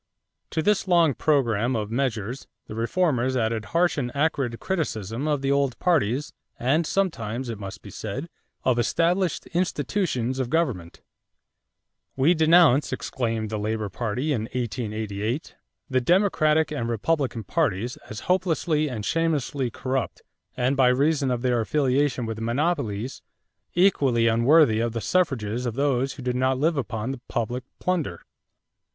= To this long program of measures the reformers added harsh and acrid criticism of the old parties and sometimes, it must be said, of established institutions of government. "We denounce," exclaimed the Labor party in 1888, "the Democratic and Republican parties as hopelessly and shamelessly corrupt and by reason of their affiliation with monopolies equally unworthy of the suffrages of those who do not live upon public plunder."